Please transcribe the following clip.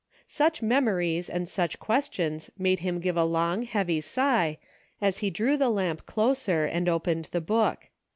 '' Such memories and such questions made him give a long, heavy sigh, as he drew the lamp closer and opened the book.